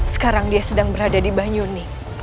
sekarang dia sedang berada di banyuni